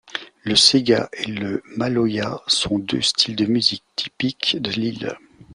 Le séga et le maloya sont deux styles de musique typiques de l'île.